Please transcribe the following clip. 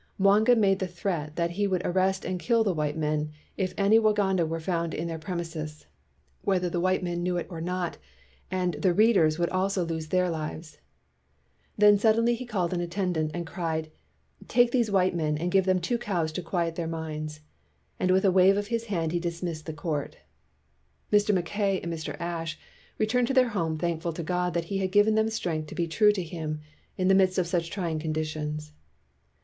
Mwanga made the threat that he would arrest and kill the white men if any Wa ganda were found on their premises, whether the white men knew it or not, and the "readers" also would lose their lives. Then suddenly he called an attendant and cried, '' Take these white men and give them two cows to quiet their minds," and with a wave of his hand he dismissed the court. Mr. Mackay and Mr. Ashe returned to their home thankful to God that he had given them strength to be true to him in the midst of such trying conditions.